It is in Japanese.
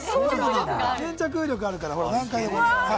粘着力があるから。